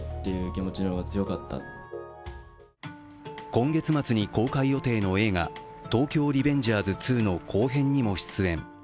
今月末に公開予定の映画「東京リベンジャーズ２」の後編にも出演。